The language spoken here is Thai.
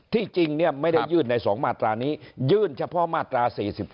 ที่จริงไม่ได้ยื่นใน๒มาตรานี้ยื่นเฉพาะมาตรา๔๔